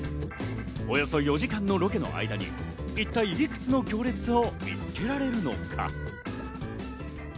およそ４時間のロケの間に一体、いくつの行列を見つけられるのか？